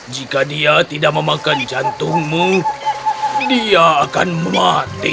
jika dia tidak memakan jantungmu dia akan mati